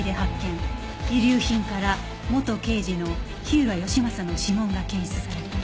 遺留品から元刑事の火浦義正の指紋が検出された